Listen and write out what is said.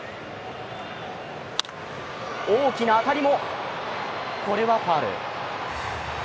大きな当たりもこれはファウル。